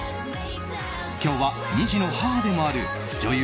今日は２児の母でもある女優